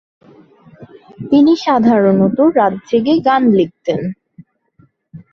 তিনি সাধারণত রাত জেগে গান লিখতেন।